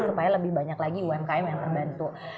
supaya lebih banyak lagi umkm yang terbantu